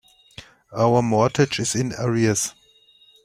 Our mortgage is in arrears.